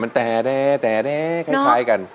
มั้นแซ่คายกัน